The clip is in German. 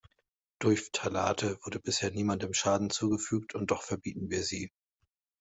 Durch Phthalate wurde bisher niemandem Schaden zugefügt und doch verbieten wir sie.